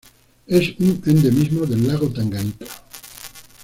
Es un endemismo del lago Tanganika.